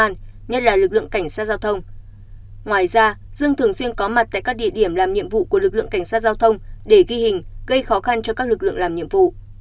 ngoài ra dương thường xuyên có mặt tại các địa điểm làm nhiệm vụ của lực lượng cảnh sát giao thông để ghi hình gây khó khăn cho các lực lượng làm nhiệm vụ